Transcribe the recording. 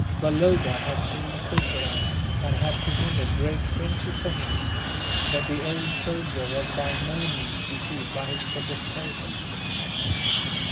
Balloba had seen Purseram, and had pretended great friendship for him; but the old soldier was by no means deceived by his protestations.